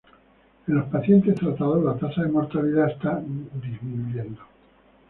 En los pacientes tratados las tasas de mortalidad están disminuyendo.